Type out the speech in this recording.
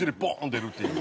出るっていう。